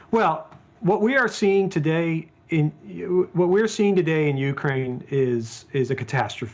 apa yang kita lihat hari ini di ukraina adalah kecemasan